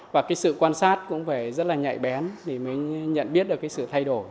và sự quan sát cũng phải rất là nhạy bén để nhận biết sự thay đổi